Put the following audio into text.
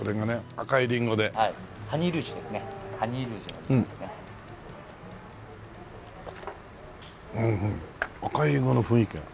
赤いリンゴの雰囲気が。